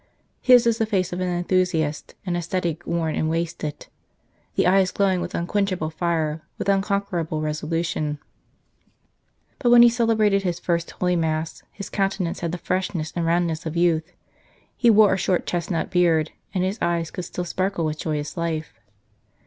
His is the face of an enthusiast, an ascetic worn and wasted, the eyes glowing with unquenchable fire, with unconquerable resolution. But when he celebrated his first Holy Mass his countenance 22 Death of Count Frederick had the freshness and roundness of youth, he wore a short chestnut beard, and his eyes could still sparkle with joyous life.